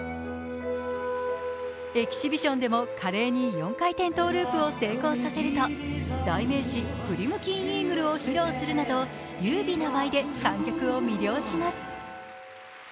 エキシビションでも華麗に４回転トゥループを成功させると代名詞クリムキンイーグルを披露するなど優美な舞で観客を魅了します。